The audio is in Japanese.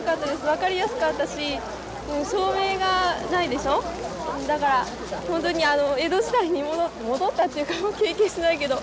分かりやすかったし照明がないでしょだから本当に江戸時代に戻った戻ったっていうか経験してないけど。